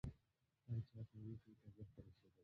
هر چا ته يوه ټوټه غوښه رسېدله.